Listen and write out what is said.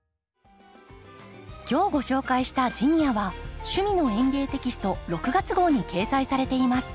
今日ご紹介した「ジニア」は「趣味の園芸」テキスト６月号に掲載されています。